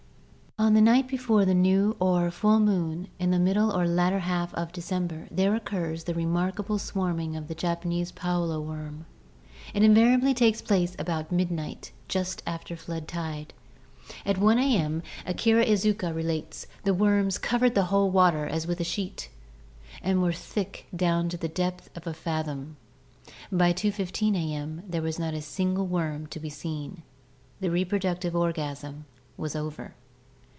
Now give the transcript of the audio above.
... "On the night before the new or full moon in the middle or latter half of December there occurs the remarkable swarming of the Japanese Palolo worm. It invariably takes place about midnight just after flood tide. At 1 a. m., Akira Izuka relates, the worms 'covered the whole water as with a sheet* and were thick down to a depth of a fathom. By 2.15 a. if., there was not a single worm to be seen; the reproductive orgasm was over.